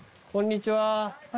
こんにちは。